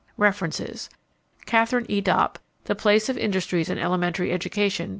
References: Katharine E. Dopp, The Place of Industries in Elementary Education, pp.